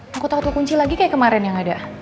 aku takut kekunci lagi kayak kemarin yang ada